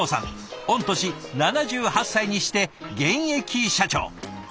御年７８歳にして現役社長！